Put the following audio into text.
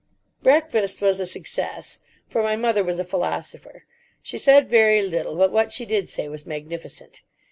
Breakfast was a success, for my mother was a philosopher. She said very little, but what she did say was magnificent.